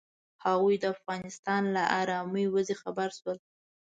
هغوی د افغانستان له ارامې وضعې خبر شول.